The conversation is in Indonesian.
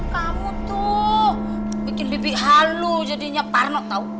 kamu tuh bikin lebih halu jadinya parno tau